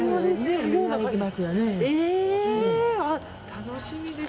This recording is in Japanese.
楽しみです！